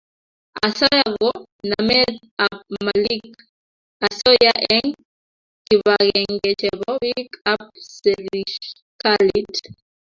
asoya ko namet ab malik , asoya eng kibagenge chebo piik ak serikalit